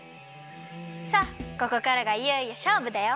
さあここからがいよいよしょうぶだよ。